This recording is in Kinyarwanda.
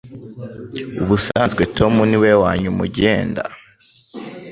Ubusanzwe Tom niwe wanyuma ugenda